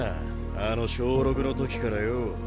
あの小６の時からよぉ。